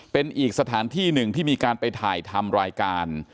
เป็นอีกสถานที่หนึ่งที่มีการไปถ่ายทำรายการ